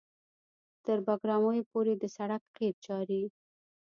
تر بګرامیو پورې د سړک قیر چارې